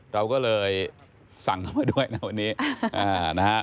เราก็เลยสั่งเข้ามาด้วยนะวันนี้นะฮะ